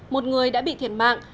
một người đã bị thiệt mạng